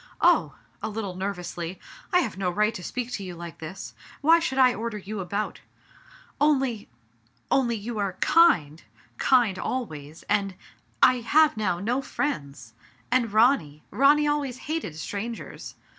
Oh!*' a little nervously, "I have no right to speak to you like this. Why should I order you about ? Only— only — ^you are kind — kind always, and— I have now no friends ! And Ronny — Ronny always hated strangers